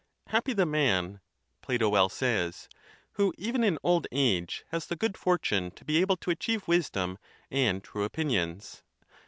Happy the man,' Plato well says, who even in old age has the good fortune to be able to achieve wisdom and true opinions.'